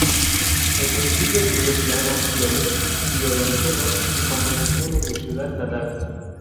Al principio estudió piano, violín, violonchelo y composición en su ciudad natal.